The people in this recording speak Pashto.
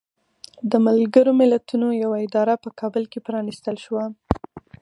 د ملګرو ملتونو یوه اداره په کابل کې پرانستل شوه.